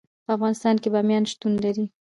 په افغانستان کې بامیان شتون لري.